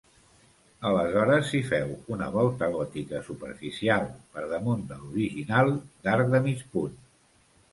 Aleshores s'hi féu una volta gòtica superficial per damunt de l'original d'arc de mig punt.